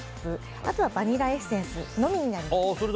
あとはバニラエッセンスのみになります。